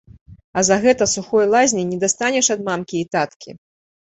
А за гэта сухой лазні не дастанеш ад мамкі і таткі?